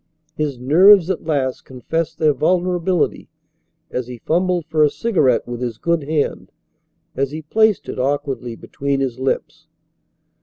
His nerves at last confessed their vulnerability as he fumbled for a cigarette with his good hand, as he placed it awkwardly between his lips.